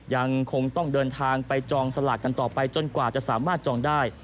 ยังคงต้องเดินทางไปจองสลากกันต่อไปจนกว่าจะสามารถจองได้